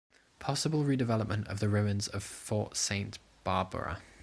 Possible redevelopment of the Ruins of Fort Saint Barbara.